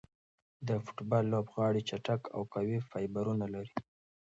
د فوټبال لوبغاړي چټک او قوي فایبرونه لري.